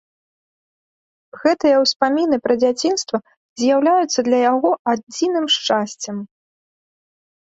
Гэтыя ўспаміны пра дзяцінства з'яўляюцца для яго адзіным шчасцем.